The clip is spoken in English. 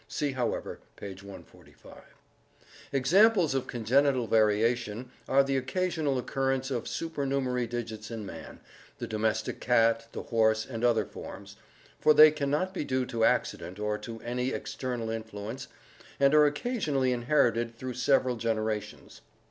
See, however, page 145. Examples of congenital variation are the occasional occurrence of supernumerary digits in man, the domestic cat, the horse, and other forms, for they can not be due to accident or to any external influence and are occasionally inherited through several genera tions.